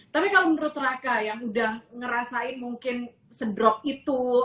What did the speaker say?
tapi kalau menurut raka yang udah ngerasain mungkin sedrop itu